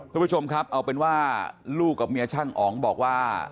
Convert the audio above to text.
คุณผู้ชมครับเอาเป็นว่าลูกกับเมียช่างอ๋องบอกว่า